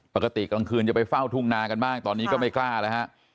กลางคืนจะไปเฝ้าทุ่งนากันบ้างตอนนี้ก็ไม่กล้าแล้วฮะ